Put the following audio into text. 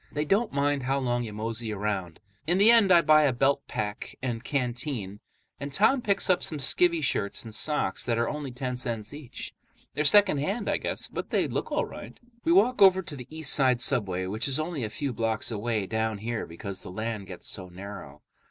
They don't mind how long you mosey around. In the end I buy a belt pack and canteen, and Tom picks up some skivvy shirts and socks that are only ten cents each. They're secondhand, I guess, but they look all right. We walk over to the East Side subway, which is only a few blocks away down here because the island gets so narrow.